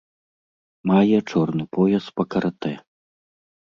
Мае чорны пояс па каратэ.